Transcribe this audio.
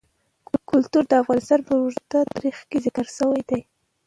کلتور د افغانستان په اوږده تاریخ کې ذکر شوی دی.